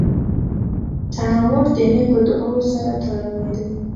تنور د نیکو دعاوو سره تړلی دی